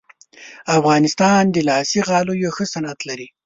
افغانستان د لاسي غالیو ښه صنعت لري